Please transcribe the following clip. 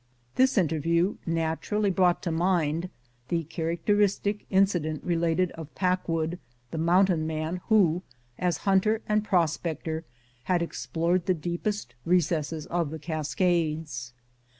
This interview naturally brought to mind the characteristic incident related of Packwood, the mountain man who, as hunter and prospector, had explored the deepest recesses of the Cascades.